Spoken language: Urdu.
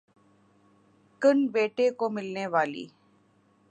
کن بیٹے کو ملنے والی